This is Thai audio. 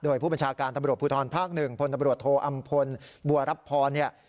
โดยผู้บัญชาการทบิโรปภูทรภาค๑พลตบิโรปโทอำพลบัวรับพอเนี่ย